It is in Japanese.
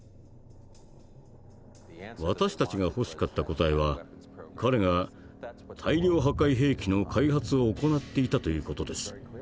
私たちが欲しかった答えは彼が大量破壊兵器の開発を行っていたという事です。